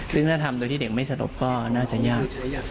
ซึ่งถ้าทำโดยที่เด็กไม่สะดบก็น่าจะยาก